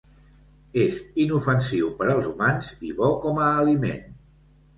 És inofensiu per als humans i bo com a aliment.